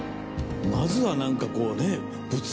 まずは何かこうね。